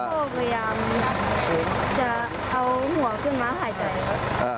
ก็พยายามจะเอาหัวขึ้นมาหายใจครับ